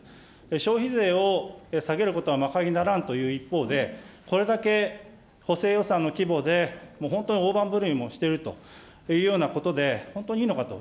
消費税を下げることはまかりならんという一方で、これだけ補正予算の規模で本当に大盤ぶるまいもしているというようなことで、本当にいいのかと。